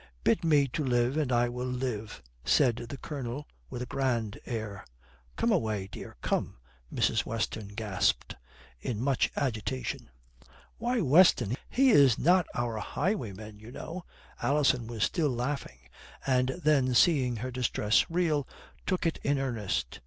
"'Bid me to live and I will live,'" said the Colonel, with a grand air. "Come away, dear, come," Mrs. Weston gasped, in much agitation. "Why, Weston, he is not our highwayman, you know," Alison was still laughing, and then seeing her distress real, took it in earnest.